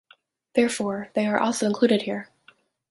Therefore, they are also included here.